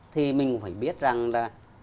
thì mình phải biết rằng là